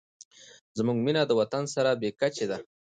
زموږ مینه د وطن سره بې کچې ده.